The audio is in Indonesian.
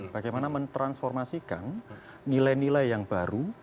bagaimana mentransformasikan nilai nilai yang baru